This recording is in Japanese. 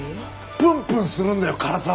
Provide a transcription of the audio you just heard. プンプンするんだよ唐沢から！